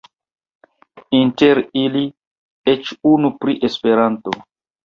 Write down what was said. Inter ili eĉ unu pri Esperanto.